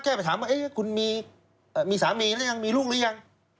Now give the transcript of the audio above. ไปถามว่าคุณมีสามีหรือยังมีลูกหรือยัง